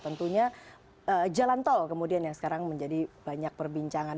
tentunya jalan tol kemudian yang sekarang menjadi banyak perbincangan